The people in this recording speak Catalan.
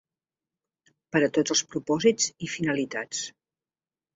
Per a tots els propòsits i finalitats.